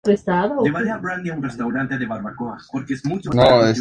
Tras veinte años fue trasladado a una mansión en Avenida Irarrázaval y Montenegro.